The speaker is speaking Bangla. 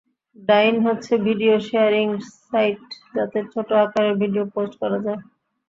ভাইন হচ্ছে ভিডিও শেয়ারিং সাইট যাতে ছোট আকারের ভিডিও পোস্ট করা হয়।